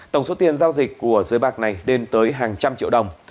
tổng số tiền giao dịch của giới bạc này lên tới hàng trăm triệu đồng